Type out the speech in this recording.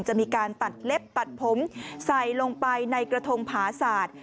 จะมีการตัดเล็บตัดผมใส่ลงไปในกระทงผาศาสตร์